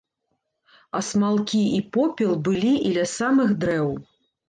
Асмалкі і попел былі і ля самых дрэў.